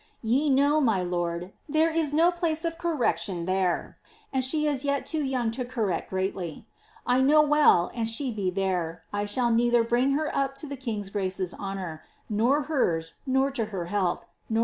Ye know, my lord, there is no place of correction there; and f'." i* yet too young to correct greatly. I know well an* she be there, I shall rifithcr brine her up to the king's grocers honour, nor hers, nor to her health, nor